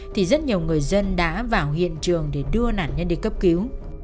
thì rất nhiều người dân đã vào hiện trường để đưa nạn nhân đi cấp cứu